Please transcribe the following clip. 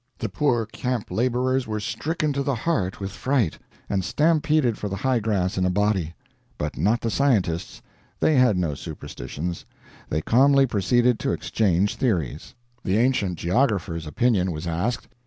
The poor camp laborers were stricken to the heart with fright, and stampeded for the high grass in a body. But not the scientists. They had no superstitions. They calmly proceeded to exchange theories. The ancient geographer's opinion was asked.